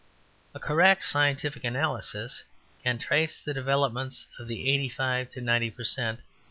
A correct scientific analysis can trace the developments of the eighty five to ninety per cent.